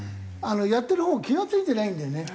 やってるほうは気が付いてないんだよね。